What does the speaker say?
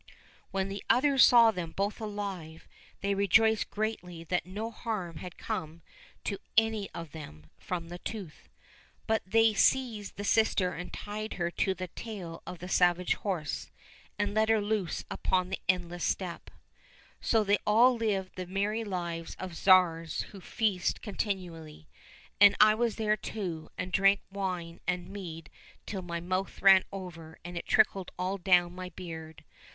When the others saw them both alive they rejoiced greatly that no harm had come to any of them from the tooth. But they seized the sister and tied her to the tail of a savage horse and let her loose upon the endless steppe. So they all lived the merry lives of Tsars who feast continually. And I was there too, and drank wine and mead till my mouth ran over and it trickled all down my beard.